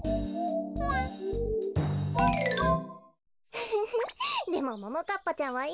フフフでもももかっぱちゃんはいいよね。